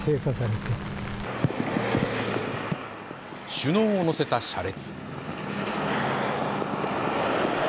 首脳を乗せた車列。